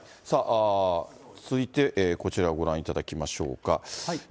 続いて、こちらをご覧いただきましょうか。